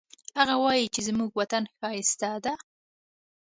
هغه وایي چې زموږ وطن ښایسته ده